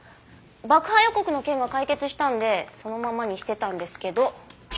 爆破予告の件が解決したんでそのままにしてたんですけど。